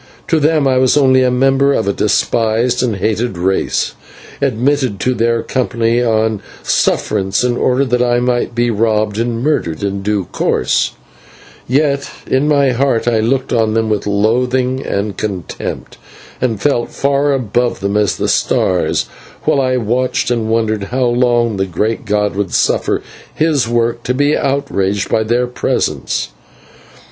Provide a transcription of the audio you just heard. To them I was only a member of a despised and hated race, admitted to their company on sufferance in order that I might be robbed and murdered in due course, but in my heart I looked on them with loathing and contempt, and felt far above them as the stars, while I watched and wondered how long the great God would suffer his world to be outraged by their presence.